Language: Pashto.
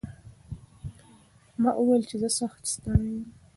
ما وویل چې زه سخت ستړی یم.